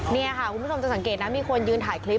นี่ค่ะคุณผู้ชมจะสังเกตนะมีคนยืนถ่ายคลิป